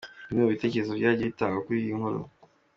Bimwe mu bitekerezo byagiye bitangwa kuri iyi nkuru.